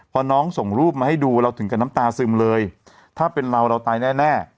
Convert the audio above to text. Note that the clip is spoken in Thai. พอน้องส่งรูปมาให้ดูเราถึงกับน้ำตาซึมเลยถ้าเป็นเราเราตายแน่